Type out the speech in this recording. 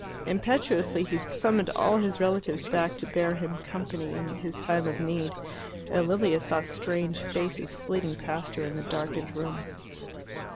Impetuously he summoned all his relatives back to bear him company in his time of need, and Lilia saw strange faces flitting past her in the darkened room.